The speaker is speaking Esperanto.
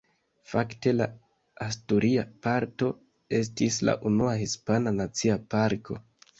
Fakte la asturia parto estis la unua hispana nacia parko.